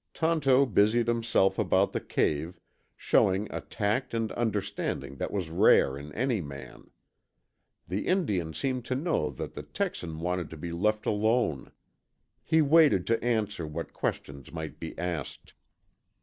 Tonto busied himself about the cave, showing a tact and understanding that was rare in any man. The Indian seemed to know that the Texan wanted to be left alone. He waited to answer what questions might be asked.